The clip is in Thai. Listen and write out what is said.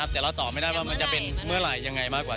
แต่เราตอบไม่ได้ว่ามันจะเป็นเมื่อไหร่ยังไงมากกว่า